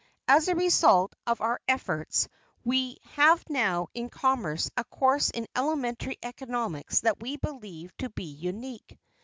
As a result of our efforts we have now in Commerce a course in elementary economics that we believe to be unique.